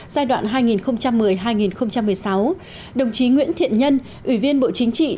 giai đoạn hai nghìn một mươi hai nghìn một mươi sáu đồng chí nguyễn thiện nhân ủy viên bộ chính trị